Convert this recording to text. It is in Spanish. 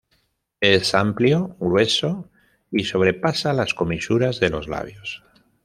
Es amplio, grueso y sobrepasa las comisuras de los labios.